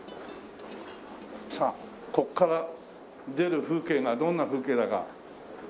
さあここから出る風景がどんな風景だか。